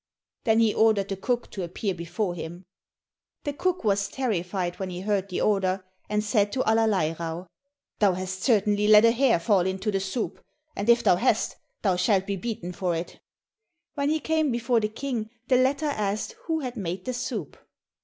Then he ordered the cook to appear before him. The cook was terrified when he heard the order, and said to Allerleirauh, "Thou hast certainly let a hair fall into the soup, and if thou hast, thou shalt be beaten for it." When he came before the King the latter asked who had made the soup?